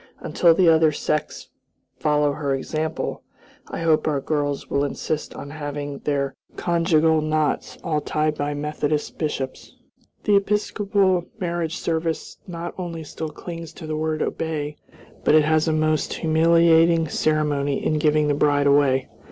Until the other sects follow her example, I hope our girls will insist on having their conjugal knots all tied by Methodist bishops. The Episcopal marriage service not only still clings to the word "obey," but it has a most humiliating ceremony in giving the bride away.